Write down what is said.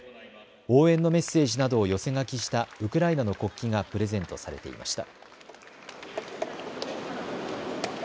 応援のメッセージなどを寄せ書きしたウクライナの国旗がプレゼントされていました。